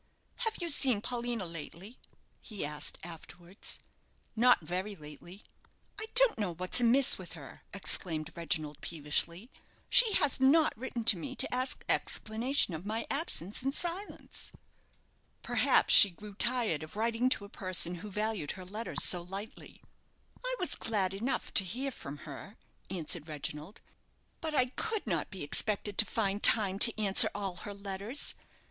"Have you seen Paulina lately?" he asked, afterwards. "Not very lately." "I don't know what's amiss with her," exclaimed Reginald, peevishly; "she has not written to me to ask explanation of my absence and silence." "Perhaps she grew tired of writing to a person who valued her letters so lightly." "I was glad enough to hear from her," answered Reginald; "but I could not be expected to find time to answer all her letters.